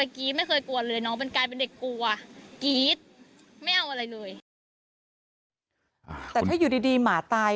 แต่ถ้าอยู่ดีหมาตาย